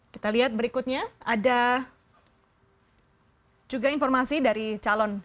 kita lihat berikutnya ada juga informasi dari calon